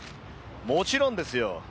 もちろんですよ。